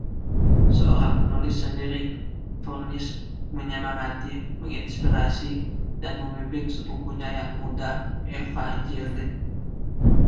Seorang penulis sendiri, Furness menyemangati, menginspirasi, dan membimbing sepupunya yang muda, Evangeline.